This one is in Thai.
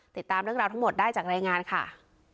ติดตามเรื่องราวทั้งหมดได้จากรายงานค่ะ